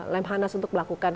lemhanas untuk melakukan